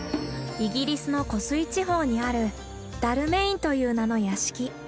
イギリスの湖水地方にあるダルメインという名の屋敷。